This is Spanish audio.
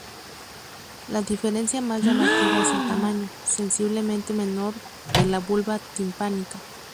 La diferencia más llamativa es el tamaño sensiblemente menor de la bulla timpánica.